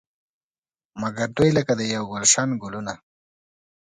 مګر دوی لکه د یو ګلش ګلونه.